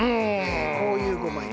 こういう５枚に。